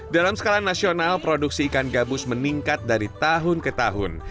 dalam skala nasional produksi ikan gabus meningkat dari tahun ke tahun